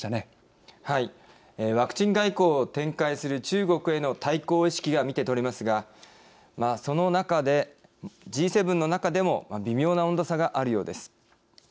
ワクチン外交を展開する中国への対抗意識が見てとれますがその中でそのＧ７の中でも微妙な温度差があるようです。